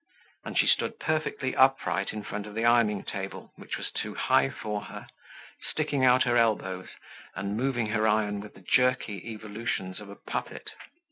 And she stood perfectly upright in front of the ironing table, which was too high for her, sticking out her elbows, and moving her iron with the jerky evolutions of a puppet.